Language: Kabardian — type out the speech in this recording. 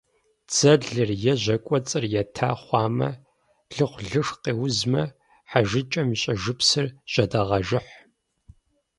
Дзэлыр е жьэ кӏуэцӏыр ета хъуамэ, лыхъулышх къеузмэ, хьэжыкӏэм и щӏэжыпсыр жьэдагъэжыхь.